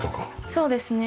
そうですね。